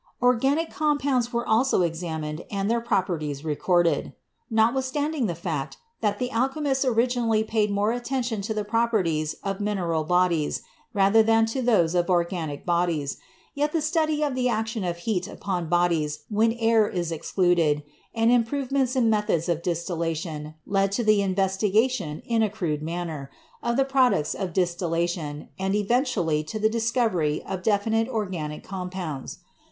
Organic Compounds were also examined and their properties recorded. Notwithstanding the fact that the alchemists originally paid more attention to the properties of mineral bodies rather than to those of organic bodies, yet the study of the action of heat upon bodies when air is excluded and improvements in methods of distillation, led to the investigation, in a crude manner, of the products THE LATER ALCHEMISTS 57 of distillation and eventually to the discovery of definite organic compounds.